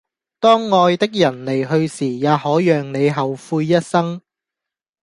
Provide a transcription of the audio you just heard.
當愛的人離去時也可讓你後悔一生